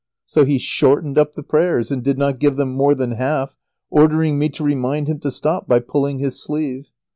So he shortened up the prayers and did not give them more than half, ordering me to remind him to stop by pulling his sleeve.